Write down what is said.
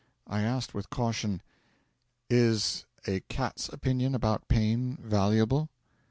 I asked with caution: 'Is a cat's opinion about pain valuable?'